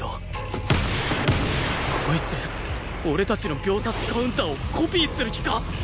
こいつ俺たちの秒殺カウンターをコピーする気か！？